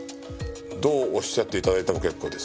どうおっしゃって頂いても結構です。